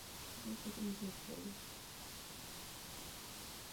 Posádka zahynula.